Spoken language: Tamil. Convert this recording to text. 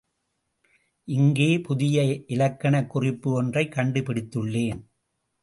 இங்கே புதிய இலக்கணக் குறிப்பு ஒன்றைக் கண்டுபிடித்துள்ளேன்.